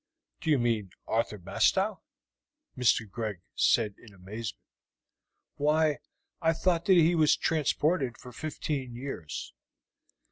"Do you mean Arthur Bastow?" Mr. Greg said in amazement. "Why, I thought that he was transported for fifteen years."